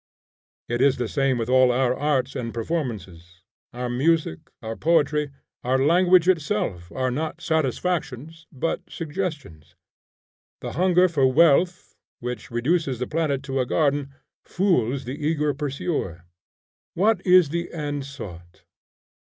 It is the same with all our arts and performances. Our music, our poetry, our language itself are not satisfactions, but suggestions. The hunger for wealth, which reduces the planet to a garden, fools the eager pursuer. What is the end sought?